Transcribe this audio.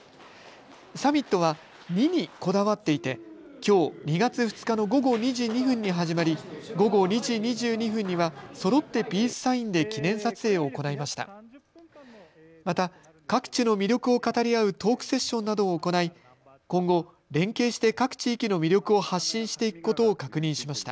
サミットは２にこだわっていてきょう２月２日の午後２時２分に始まり、午後２時２２分にはそろってピースサインで記念撮影を行いました。